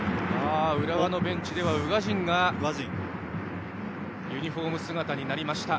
浦和ベンチでは宇賀神がユニフォーム姿になりました。